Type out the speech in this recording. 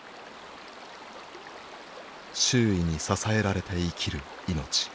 周囲に支えられて生きるいのち連環